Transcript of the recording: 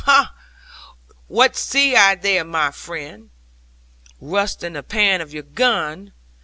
Ha! what see I there, my friend? Rust in the pan of your gun!